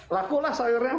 laku lah sayurnya